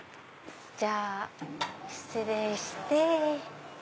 じゃあ失礼して。